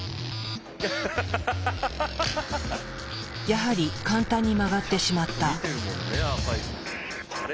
やはり簡単に曲がってしまった。